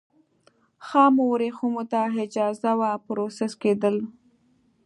خامو ورېښمو ته اجازه وه پروسس کېدل.